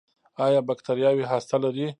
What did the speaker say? ایا بکتریاوې هسته لري؟